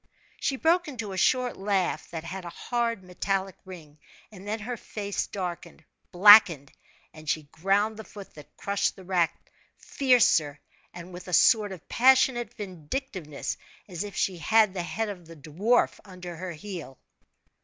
She broke into a short laugh that had a hard, metallic ring, and then her face darkened, blackened, and she ground the foot that crushed the rat fiercer, and with a sort of passionate vindictiveness, as if she had the head of the dwarf under her heel.